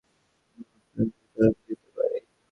এই মুহূর্তে আমি একটি উদাহরণ দিতে পারি।